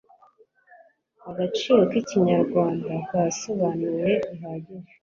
agaciro k'Ikinyarwanda karasobanuwe bihagije.